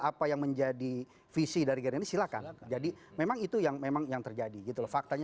apa yang menjadi visi dari gerindra silahkan jadi memang itu yang memang yang terjadi gitu faktanya